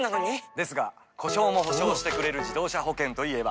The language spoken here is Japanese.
ですが故障も補償してくれる自動車保険といえば？